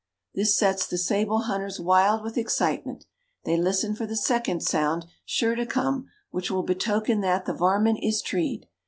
This sets the sable hunters wild with excitement; they listen for the second sound, sure to come, which will betoken that the varmint is treed.